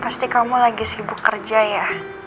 pasti kamu lagi sibuk kerja ya